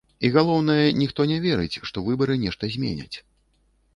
І, галоўнае, ніхто не верыць, што выбары нешта зменяць.